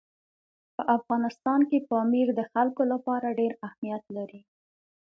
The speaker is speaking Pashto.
په افغانستان کې پامیر د خلکو لپاره ډېر اهمیت لري.